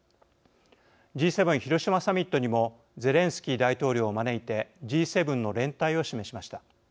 Ｇ７広島サミットにもゼレンスキー大統領を招いてＧ７の連帯を示しました。